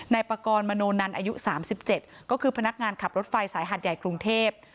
ปากรมโนนันอายุ๓๗ก็คือพนักงานขับรถไฟสายหาดใหญ่กรุงเทพ